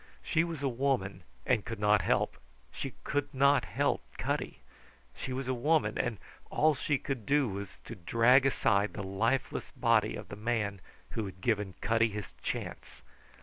She was a woman and could not help; she could not help Cutty! She was a woman, and all she could do was to drag aside the lifeless body of the man who had given Cutty his chance!